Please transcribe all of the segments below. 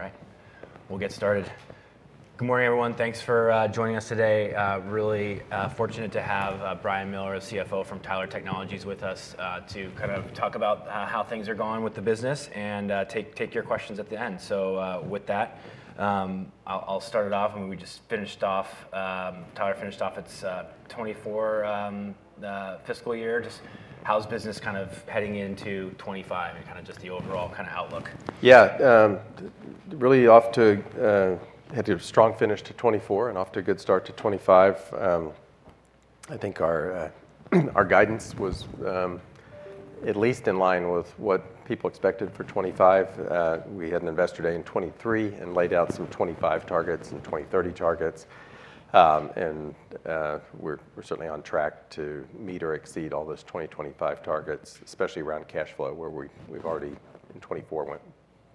All right, we'll get started. Good morning, everyone. Thanks for joining us today. Really fortunate to have Brian Miller, CFO from Tyler Technologies, with us to kind of talk about how things are going with the business and take your questions at the end. So with that, I'll start it off, and we just finished off, Tyler finished off its 2024 fiscal year. Just how's business kind of heading into 2025 and kind of just the overall kind of outlook? Yeah, we really had a strong finish to 2024 and off to a good start to 2025. I think our guidance was at least in line with what people expected for 2025. We had an Investor Day in 2023 and laid out some 2025 targets and 2030 targets. We are certainly on track to meet or exceed all those 2025 targets, especially around cash flow, where we have already in 2024 went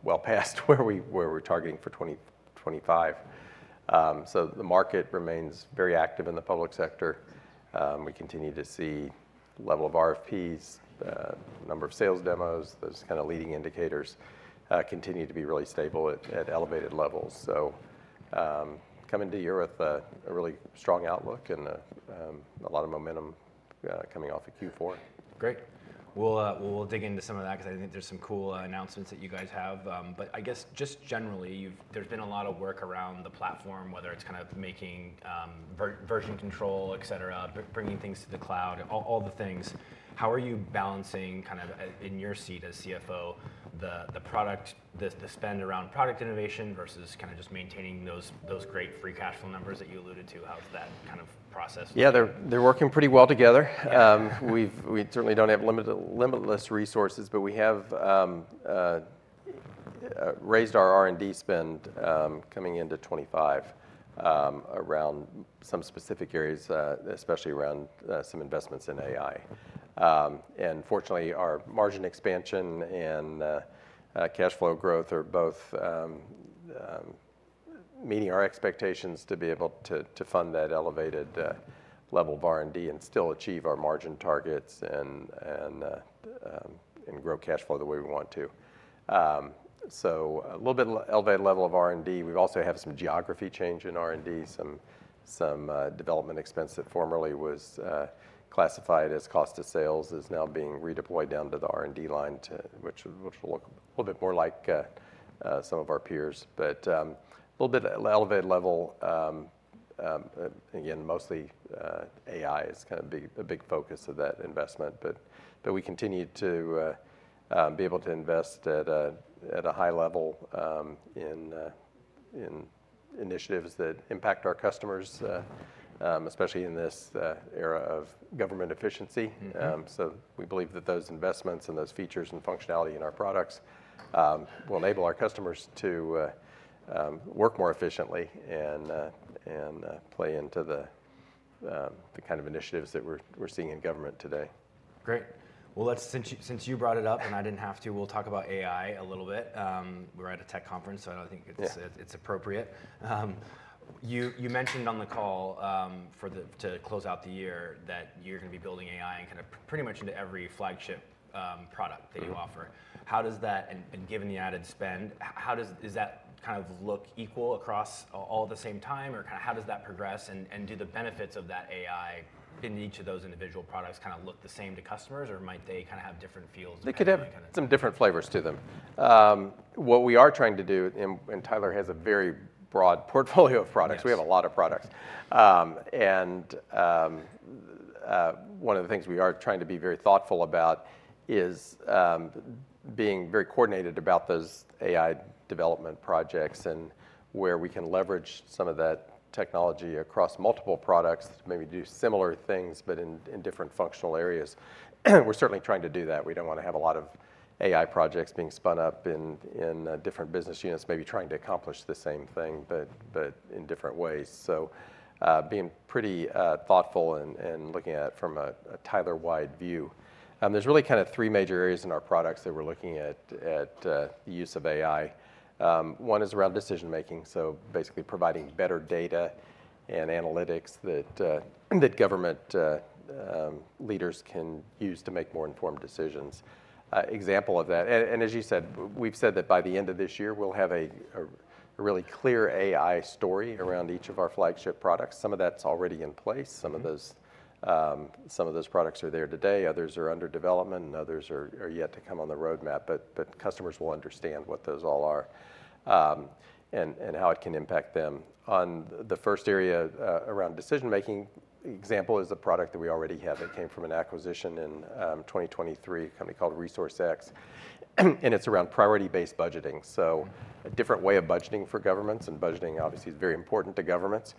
well past where we are targeting for 2025. The market remains very active in the public sector. We continue to see the level of RFPs, number of sales demos, those kind of leading indicators continue to be really stable at elevated levels. We are coming into the year with a really strong outlook and a lot of momentum coming off of Q4. Great. We'll dig into some of that because I think there's some cool announcements that you guys have. But I guess just generally, there's been a lot of work around the platform, whether it's kind of making version control, et cetera, bringing things to the cloud, all the things. How are you balancing kind of in your seat as CFO the product, the spend around product innovation versus kind of just maintaining those great free cash flow numbers that you alluded to? How's that kind of process? Yeah, they're working pretty well together. We certainly don't have limitless resources, but we have raised our R&D spend coming into 2025 around some specific areas, especially around some investments in AI. And fortunately, our margin expansion and cash flow growth are both meeting our expectations to be able to fund that elevated level of R&D and still achieve our margin targets and grow cash flow the way we want to. So a little bit elevated level of R&D. We also have some geography change in R&D, some development expense that formerly was classified as cost of sales is now being redeployed down to the R&D line, which will look a little bit more like some of our peers. But a little bit elevated level, again, mostly AI is kind of a big focus of that investment. But we continue to be able to invest at a high level in initiatives that impact our customers, especially in this era of government efficiency. So we believe that those investments and those features and functionality in our products will enable our customers to work more efficiently and play into the kind of initiatives that we're seeing in government today. Great. Well, since you brought it up and I didn't have to, we'll talk about AI a little bit. We're at a tech conference, so I don't think it's appropriate. You mentioned on the call to close out the year that you're going to be building AI and kind of pretty much into every flagship product that you offer. And given the added spend, does that kind of look equal across all at the same time? Or kind of how does that progress? And do the benefits of that AI in each of those individual products kind of look the same to customers? Or might they kind of have different feels? They could have some different flavors to them. What we are trying to do, and Tyler has a very broad portfolio of products, we have a lot of products. And one of the things we are trying to be very thoughtful about is being very coordinated about those AI development projects and where we can leverage some of that technology across multiple products to maybe do similar things, but in different functional areas. We're certainly trying to do that. We don't want to have a lot of AI projects being spun up in different business units, maybe trying to accomplish the same thing, but in different ways. So being pretty thoughtful and looking at it from a Tyler-wide view. There's really kind of three major areas in our products that we're looking at the use of AI. One is around decision-making, so basically providing better data and analytics that government leaders can use to make more informed decisions. Example of that, and as you said, we've said that by the end of this year, we'll have a really clear AI story around each of our flagship products. Some of that's already in place. Some of those products are there today. Others are under development, and others are yet to come on the roadmap. But customers will understand what those all are and how it can impact them. On the first area around decision-making, example is a product that we already have that came from an acquisition in 2023, a company called ResourceX. And it's around Priority Based Budgeting, so a different way of budgeting for governments. And budgeting, obviously, is very important to governments.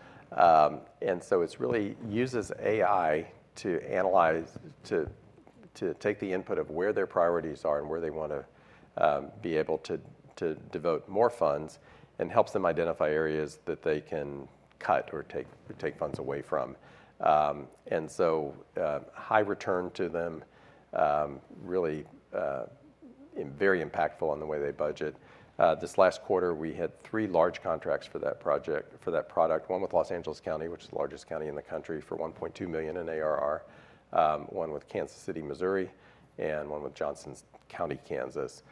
And so it really uses AI to analyze, to take the input of where their priorities are and where they want to be able to devote more funds and helps them identify areas that they can cut or take funds away from. And so high return to them, really very impactful on the way they budget. This last quarter, we had three large contracts for that project, for that product, one with Los Angeles County, which is the largest county in the country, for $1.2 million in ARR, one with Kansas City, Missouri, and one with Johnson County, Kansas.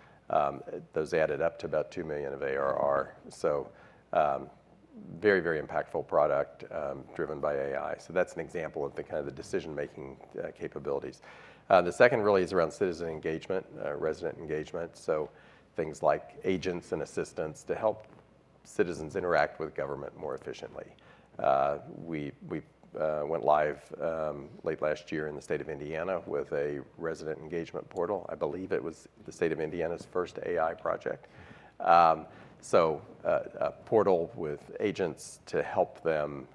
Those added up to about $2 million of ARR. So very, very impactful product driven by AI. So that's an example of the kind of the decision-making capabilities. The second really is around citizen engagement, resident engagement. So things like agents and assistants to help citizens interact with government more efficiently. We went live late last year in the state of Indiana with a resident engagement portal. I believe it was the state of Indiana's first AI project. A portal with agents to help them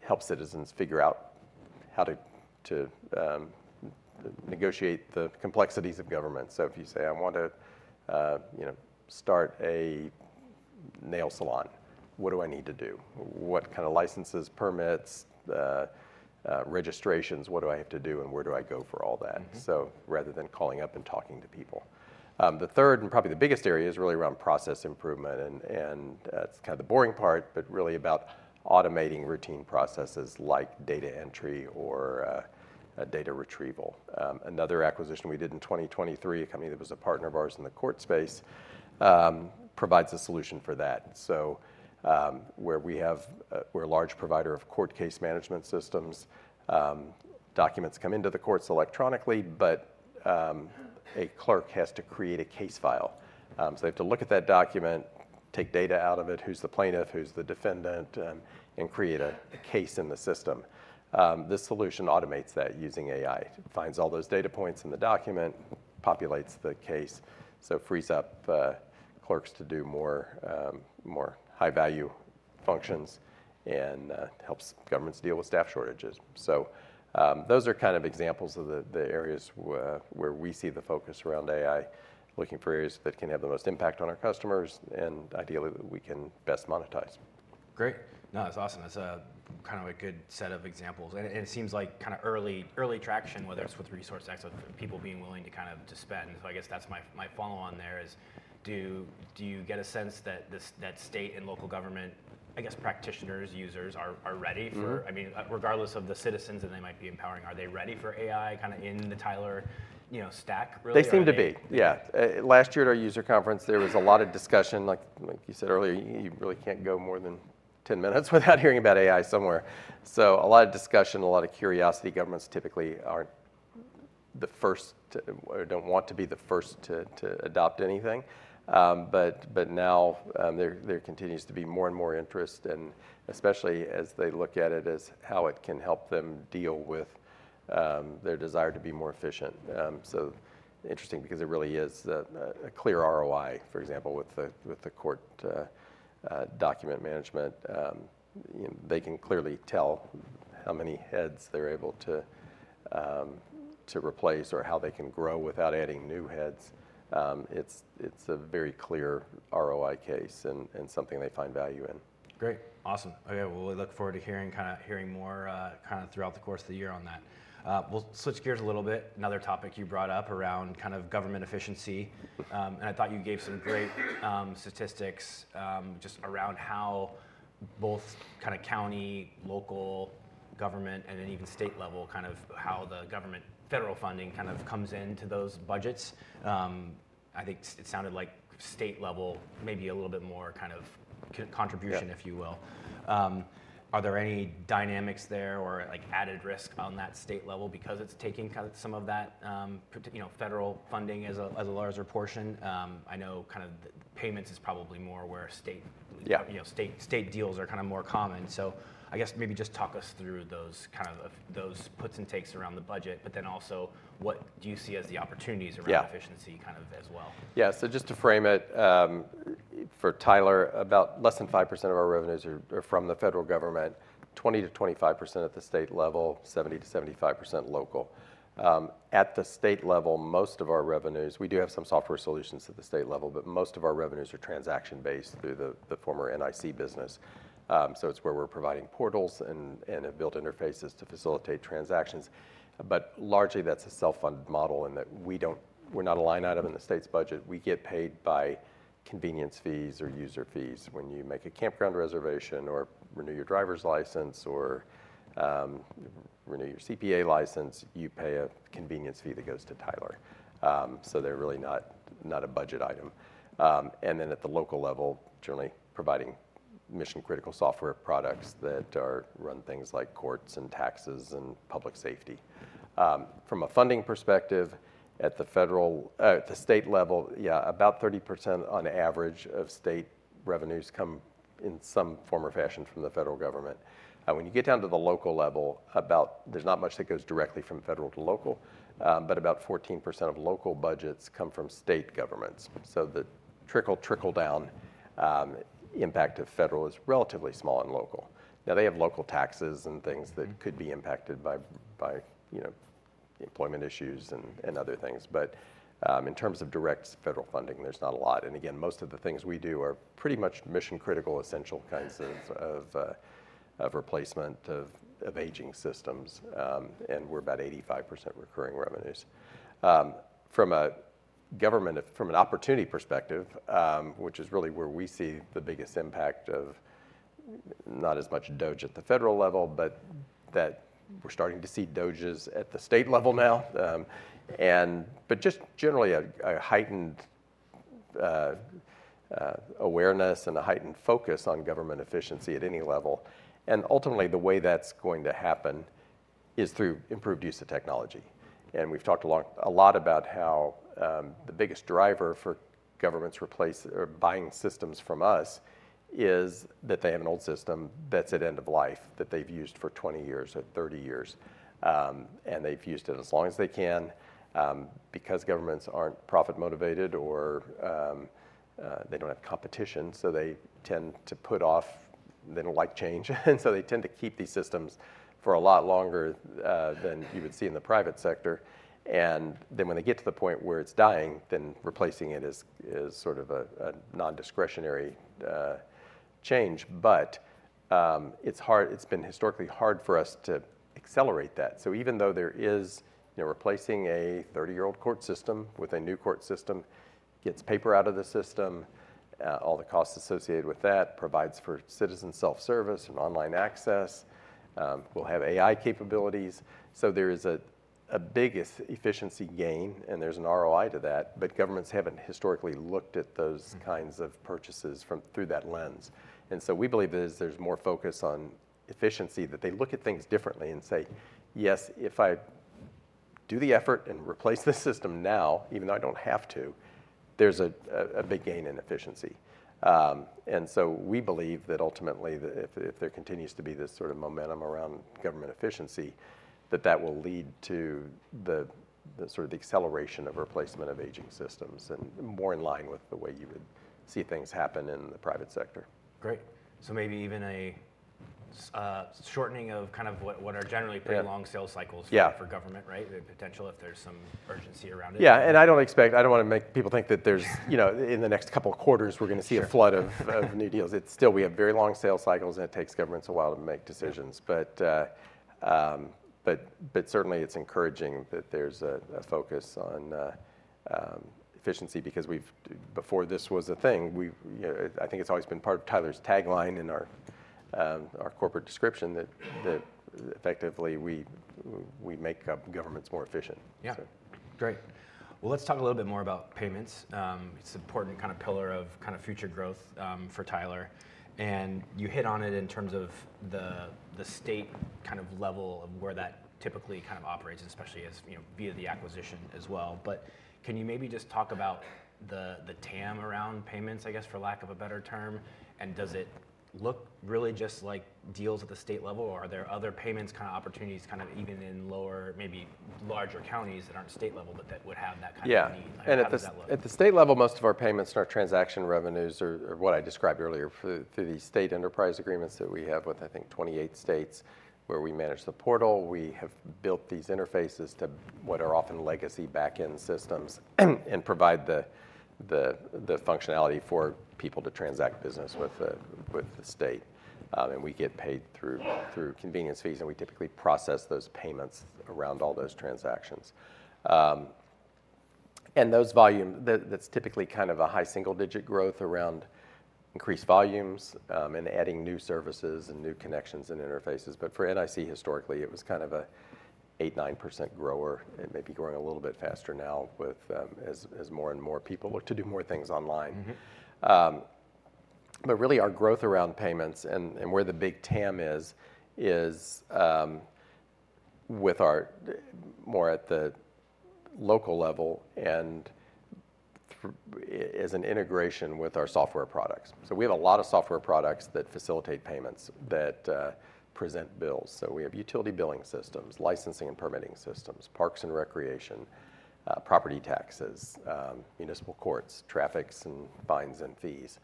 help citizens figure out how to negotiate the complexities of government. So if you say, I want to start a nail salon, what do I need to do? What kind of licenses, permits, registrations? What do I have to do? And where do I go for all that? So rather than calling up and talking to people. The third and probably the biggest area is really around process improvement. And that's kind of the boring part, but really about automating routine processes like data entry or data retrieval. Another acquisition we did in 2023, a company that was a partner of ours in the court space, provides a solution for that. So, we're a large provider of court case management systems. Documents come into the courts electronically, but a clerk has to create a case file. So they have to look at that document, take data out of it, who's the plaintiff, who's the defendant, and create a case in the system. This solution automates that using AI. It finds all those data points in the document, populates the case, so frees up clerks to do more high-value functions and helps governments deal with staff shortages. So those are kind of examples of the areas where we see the focus around AI, looking for areas that can have the most impact on our customers and ideally that we can best monetize. Great. No, that's awesome. That's kind of a good set of examples and it seems like kind of early traction, whether it's with ResourceX, with people being willing to kind of spend, so I guess that's my follow-on there is, do you get a sense that state and local government, I guess, practitioners, users are ready for, I mean, regardless of the citizens that they might be empowering, are they ready for AI kind of in the Tyler stack really? They seem to be. Yeah. Last year at our user conference, there was a lot of discussion. Like you said earlier, you really can't go more than 10 minutes without hearing about AI somewhere. So a lot of discussion, a lot of curiosity. Governments typically aren't the first or don't want to be the first to adopt anything. But now there continues to be more and more interest, and especially as they look at it as how it can help them deal with their desire to be more efficient. So interesting because it really is a clear ROI, for example, with the court document management. They can clearly tell how many heads they're able to replace or how they can grow without adding new heads. It's a very clear ROI case and something they find value in. Great. Awesome. Yeah, well, we look forward to hearing more throughout the course of the year on that. We'll switch gears a little bit. Another topic you brought up around government efficiency. I thought you gave some great statistics just around how both county, local, government, and then even state level, how the federal government funding kind of comes into those budgets. I think it sounded like state level, maybe a little bit more contribution, if you will. Are there any dynamics there or added risk on that state level because it's taking some of that federal funding as a larger portion? I know payments is probably more where state deals are more common. So I guess maybe just talk us through those kind of puts and takes around the budget, but then also what do you see as the opportunities around efficiency as well? Yeah. So just to frame it for Tyler, about less than 5% of our revenues are from the federal government, 20%-25% at the state level, 70%-75% local. At the state level, most of our revenues, we do have some software solutions at the state level, but most of our revenues are transaction-based through the former NIC business. So it's where we're providing portals and have built interfaces to facilitate transactions. But largely, that's a self-funded model in that we're not a line item in the state's budget. We get paid by convenience fees or user fees. When you make a campground reservation or renew your driver's license or renew your CPA license, you pay a convenience fee that goes to Tyler. So they're really not a budget item. And then at the local level, generally providing mission-critical software products that run things like courts and taxes and public safety. From a funding perspective, at the state level, yeah, about 30% on average of state revenues come in some form or fashion from the federal government. When you get down to the local level, about, there's not much that goes directly from federal to local, but about 14% of local budgets come from state governments. So the trickle-down impact of federal is relatively small in local. Now, they have local taxes and things that could be impacted by employment issues and other things. But in terms of direct federal funding, there's not a lot. And again, most of the things we do are pretty much mission-critical, essential kinds of replacement of aging systems. And we're about 85% recurring revenues. From a government, from an opportunity perspective, which is really where we see the biggest impact of not as much DOGE at the federal level, but that we're starting to see DOGEs at the state level now, but just generally a heightened awareness and a heightened focus on government efficiency at any level, and ultimately, the way that's going to happen is through improved use of technology, and we've talked a lot about how the biggest driver for governments replacing or buying systems from us is that they have an old system that's at end of life that they've used for 20 years or 30 years, and they've used it as long as they can because governments aren't profit-motivated or they don't have competition, so they tend to put off. They don't like change. And so they tend to keep these systems for a lot longer than you would see in the private sector. And then when they get to the point where it's dying, then replacing it is sort of a non-discretionary change. But it's been historically hard for us to accelerate that. So even though there is replacing a 30-year-old court system with a new court system, gets paper out of the system, all the costs associated with that, provides for citizen self-service and online access, we'll have AI capabilities. So there is a big efficiency gain, and there's an ROI to that. But governments haven't historically looked at those kinds of purchases through that lens. And so we believe there's more focus on efficiency, that they look at things differently and say, yes, if I do the effort and replace the system now, even though I don't have to, there's a big gain in efficiency. And so we believe that ultimately, if there continues to be this sort of momentum around government efficiency, that that will lead to the sort of the acceleration of replacement of aging systems and more in line with the way you would see things happen in the private sector. Great. So maybe even a shortening of kind of what are generally pretty long sales cycles for government, right? The potential if there's some urgency around it. Yeah, and I don't expect, I don't want to make people think that there's, you know, in the next couple of quarters, we're going to see a flood of new deals. It's still, we have very long sales cycles, and it takes governments a while to make decisions. But certainly, it's encouraging that there's a focus on efficiency because before this was a thing, I think it's always been part of Tyler's tagline in our corporate description that effectively we make governments more efficient. Yeah. Great. Well, let's talk a little bit more about payments. It's an important kind of pillar of kind of future growth for Tyler. And you hit on it in terms of the state kind of level of where that typically kind of operates, especially as via the acquisition as well. But can you maybe just talk about the TAM around payments, I guess, for lack of a better term? And does it look really just like deals at the state level? Or are there other payments kind of opportunities kind of even in lower, maybe larger counties that aren't state level but that would have that kind of need at that level? Yeah. And at the state level, most of our payments are transaction revenues or what I described earlier through the state enterprise agreements that we have with, I think, 28 states where we manage the portal. We have built these interfaces to what are often legacy back-end systems and provide the functionality for people to transact business with the state. And we get paid through convenience fees, and we typically process those payments around all those transactions. And that's typically kind of a high single-digit growth around increased volumes and adding new services and new connections and interfaces. But for NIC, historically, it was kind of an 8%, 9% grower. It may be growing a little bit faster now as more and more people look to do more things online. But really, our growth around payments and where the big TAM is, is with our more at the local level and as an integration with our software products. We have a lot of software products that facilitate payments that present bills. So we have utility billing systems, licensing and permitting systems, parks and recreation, property taxes, municipal courts, traffic and fines and fees.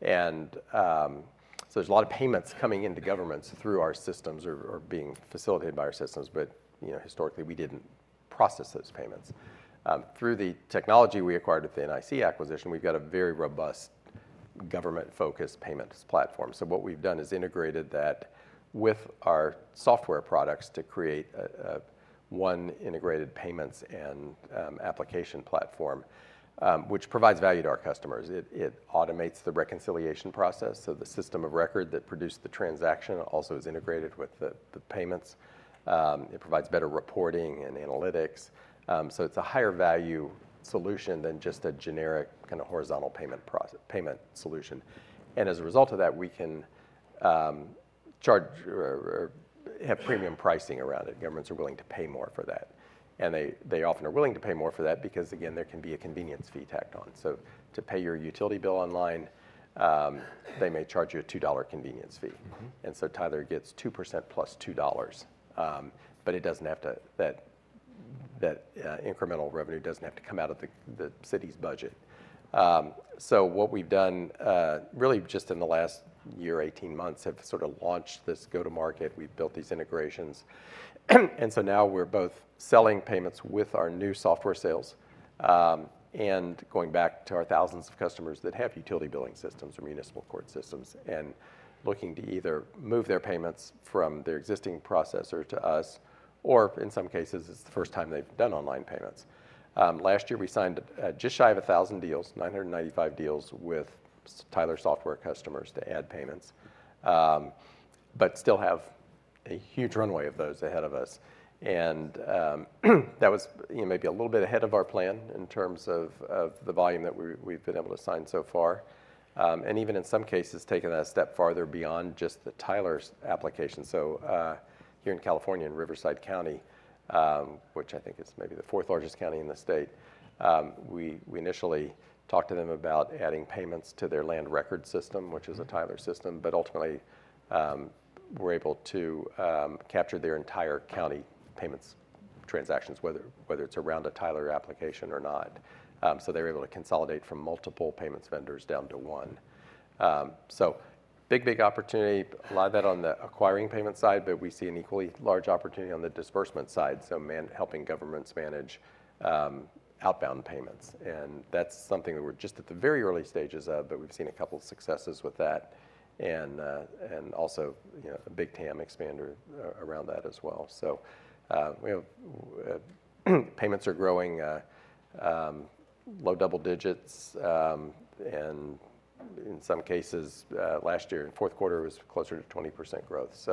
There's a lot of payments coming into governments through our systems or being facilitated by our systems. But historically, we didn't process those payments. Through the technology we acquired at the NIC acquisition, we've got a very robust government-focused payments platform. So what we've done is integrated that with our software products to create one integrated payments and application platform, which provides value to our customers. It automates the reconciliation process. The system of record that produced the transaction also is integrated with the payments. It provides better reporting and analytics. It's a higher value solution than just a generic kind of horizontal payment solution. As a result of that, we can have premium pricing around it. Governments are willing to pay more for that. They often are willing to pay more for that because, again, there can be a convenience fee tacked on. To pay your utility bill online, they may charge you a $2 convenience fee. Tyler gets 2% plus $2. But that incremental revenue doesn't have to come out of the city's budget. What we've done really just in the last year, 18 months, have sort of launched this go-to-market. We've built these integrations. And so now we're both selling payments with our new software sales and going back to our thousands of customers that have utility billing systems or municipal court systems and looking to either move their payments from their existing processor to us, or in some cases, it's the first time they've done online payments. Last year, we signed just shy of 1,000 deals, 995 deals with Tyler software customers to add payments, but still have a huge runway of those ahead of us. And that was maybe a little bit ahead of our plan in terms of the volume that we've been able to sign so far. And even in some cases, taken that a step farther beyond just the Tyler application. So here in California, in Riverside County, which I think is maybe the fourth largest county in the state, we initially talked to them about adding payments to their land record system, which is a Tyler system. But ultimately, we're able to capture their entire county payments transactions, whether it's around a Tyler application or not. So they're able to consolidate from multiple payments vendors down to one. So big, big opportunity, a lot of that on the acquiring payment side, but we see an equally large opportunity on the disbursement side. So helping governments manage outbound payments. And that's something that we're just at the very early stages of, but we've seen a couple of successes with that and also a big TAM expander around that as well. So payments are growing low double digits. In some cases, last year, in fourth quarter, it was closer to 20% growth.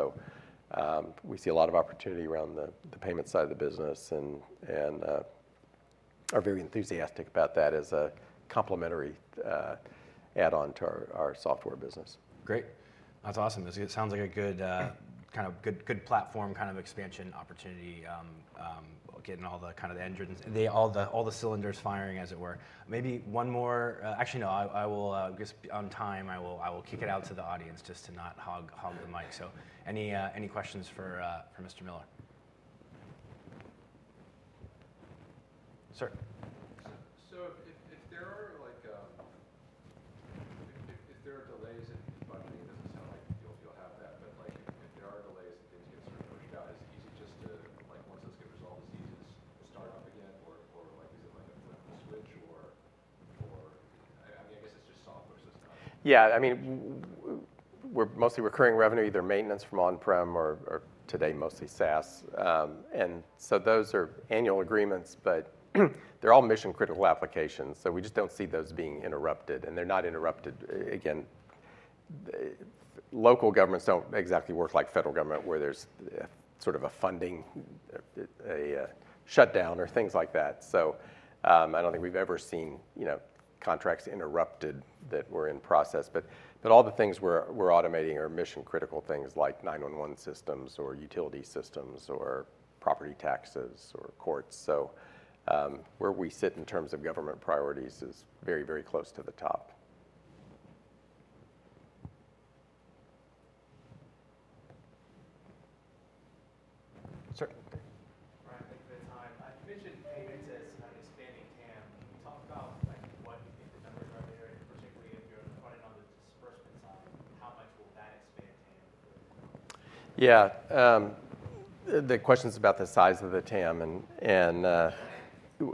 We see a lot of opportunity around the payment side of the business and are very enthusiastic about that as a complementary add-on to our software business. Great. That's awesome. It sounds like a good kind of good platform kind of expansion opportunity, getting all the kind of the engines, all the cylinders firing, as it were. Maybe one more, actually, no, I will, just on time, I will kick it out to the audience just to not hog the mic. So any questions for Mr. Miller? Sir. If there are delays in funding, it doesn't sound like you'll have that. But if there are delays and things get sort of pushed out, is it easy just to, once those get resolved, start up again? Or is it like a flip the switch? Or I mean, I guess it's just software, so it's not. Yeah. I mean, we're mostly recurring revenue, either maintenance from on-prem or today, mostly SaaS. And so those are annual agreements, but they're all mission-critical applications. So we just don't see those being interrupted. And they're not interrupted, again, local governments don't exactly work like federal government where there's sort of a funding shutdown or things like that. So I don't think we've ever seen contracts interrupted that were in process. But all the things we're automating are mission-critical things like 911 systems or utility systems or property taxes or courts. So where we sit in terms of government priorities is very, very close to the top. Sir? Brian, thank you for the time. You mentioned payments as an expanding TAM. Can you talk about what you think the numbers are there, particularly if you're running on the disbursement side? How much will that expand TAM? Yeah. The question's about the size of the TAM. And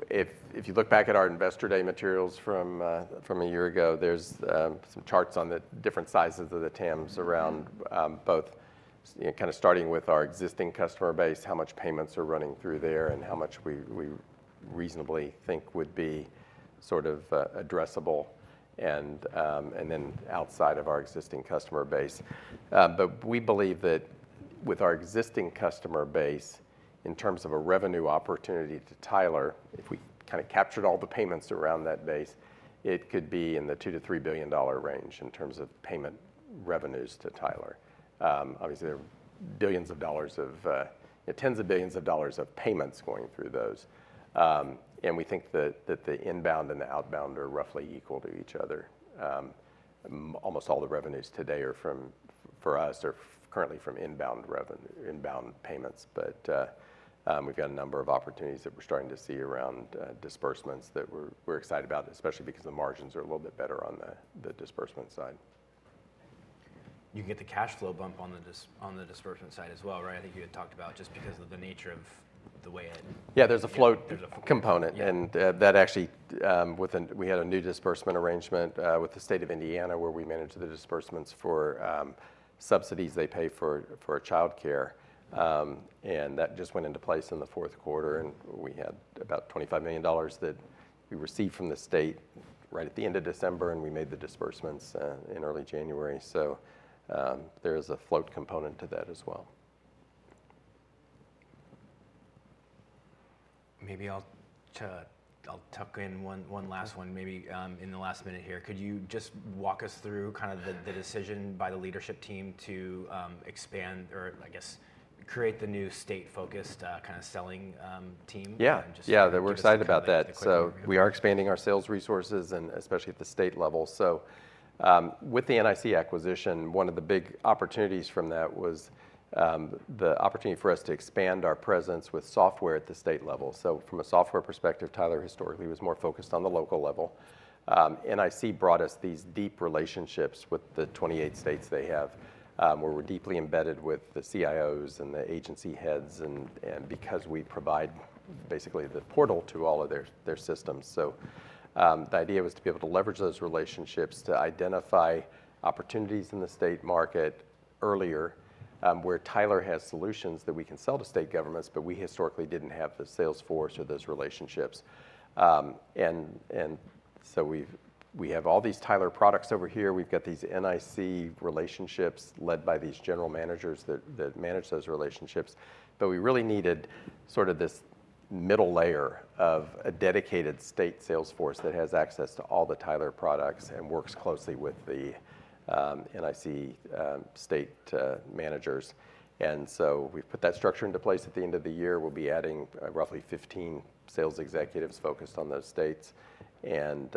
if you look back at our Investor Day materials from a year ago, there's some charts on the different sizes of the TAMs around both kind of starting with our existing customer base, how much payments are running through there, and how much we reasonably think would be sort of addressable, and then outside of our existing customer base. But we believe that with our existing customer base, in terms of a revenue opportunity to Tyler, if we kind of captured all the payments around that base, it could be in the $2 billion-$3 billion range in terms of payment revenues to Tyler. Obviously, there are billions of dollars, tens of billions of dollars of payments going through those. And we think that the inbound and the outbound are roughly equal to each other. Almost all the revenues today, for us, are currently from inbound payments. But we've got a number of opportunities that we're starting to see around disbursements that we're excited about, especially because the margins are a little bit better on the disbursement side. You can get the cash flow bump on the disbursement side as well, right? I think you had talked about just because of the nature of the way it. Yeah, there's a float component. And that actually, we had a new disbursement arrangement with the state of Indiana where we manage the disbursements for subsidies they pay for childcare. And that just went into place in the fourth quarter. And we had about $25 million that we received from the state right at the end of December, and we made the disbursements in early January. So there is a float component to that as well. Maybe I'll tuck in one last one. Maybe in the last minute here, could you just walk us through kind of the decision by the leadership team to expand or, I guess, create the new state-focused kind of selling team? Yeah. Yeah, we're excited about that, so we are expanding our sales resources, and especially at the state level, so with the NIC acquisition, one of the big opportunities from that was the opportunity for us to expand our presence with software at the state level, so from a software perspective, Tyler historically was more focused on the local level. NIC brought us these deep relationships with the 28 states they have, where we're deeply embedded with the CIOs and the agency heads, and because we provide basically the portal to all of their systems, so the idea was to be able to leverage those relationships to identify opportunities in the state market earlier, where Tyler has solutions that we can sell to state governments, but we historically didn't have the sales force or those relationships, and so we have all these Tyler products over here. We've got these NIC relationships led by these general managers that manage those relationships, but we really needed sort of this middle layer of a dedicated state sales force that has access to all the Tyler products and works closely with the NIC state managers, and so we've put that structure into place at the end of the year. We'll be adding roughly 15 sales executives focused on those states and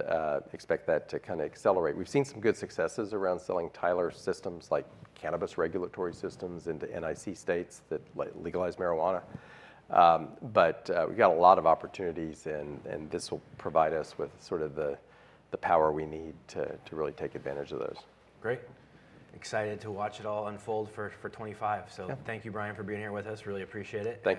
expect that to kind of accelerate. We've seen some good successes around selling Tyler systems, like cannabis regulatory systems into NIC states that legalize marijuana, but we've got a lot of opportunities, and this will provide us with sort of the power we need to really take advantage of those. Great. Excited to watch it all unfold for 2025, so thank you, Brian, for being here with us. Really appreciate it. Thank you.